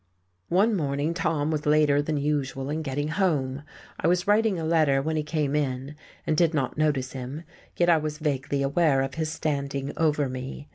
One morning Tom was later than usual in getting home. I was writing a letter when he came in, and did not notice him, yet I was vaguely aware of his standing over me.